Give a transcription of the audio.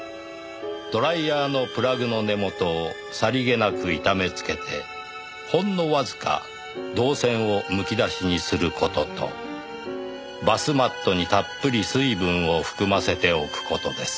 「ドライヤーのプラグの根元をさりげなく傷めつけてほんのわずか導線をむき出しにする事とバスマットにたっぷり水分を含ませておく事です」